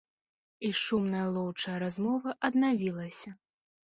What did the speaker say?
І шумная лоўчая размова аднавілася.